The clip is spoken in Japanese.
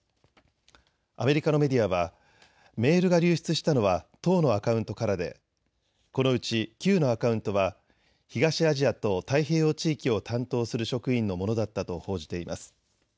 アメリカのメディアはメールが流出したのは１０のアカウントからでこのうち９のアカウントは東アジアと太平洋地域を担当する職員のものだったと報じています。